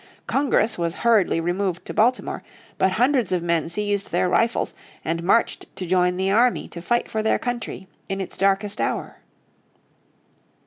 Congress was hurriedly removed to Baltimore; but hundreds of men seized their rifles and marched to join the army to fight for their country in its darkest hour.